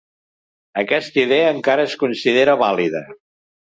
Aquesta idea encara es considera vàlida.